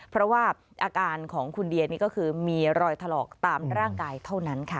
เพราะว่าอาการของคุณเดียนี่ก็คือมีรอยถลอกตามร่างกายเท่านั้นค่ะ